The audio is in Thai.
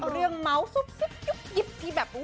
เรื่องเมาส์ซุบซิบยุบยิบที่แบบ